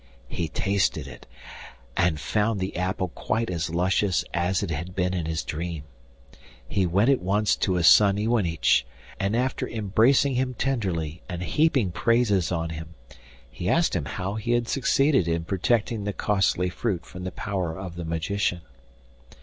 He tasted it, and found the apple quite as luscious as it had been in his dream. He went at once to his son Iwanich, and after embracing him tenderly and heaping praises on him, he asked him how he had succeeded in protecting the costly fruit from the power of the magician.